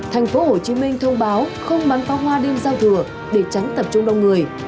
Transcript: thành phố hồ chí minh thông báo không bắn phó hoa đêm sau thừa để tránh tập trung đông người